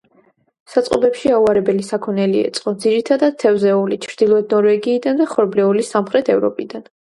საწყობებში აუარებელი საქონელი ეწყო, ძირითადად, თევზეული ჩრდილოეთ ნორვეგიიდან და ხორბლეული სამხრეთ ევროპიდან.